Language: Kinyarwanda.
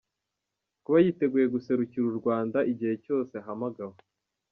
Kuba yiteguye guserukira u Rwanda igihe cyose ahamagawe .